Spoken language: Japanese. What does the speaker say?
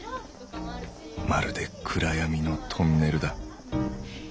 まるで暗闇のトンネルだ。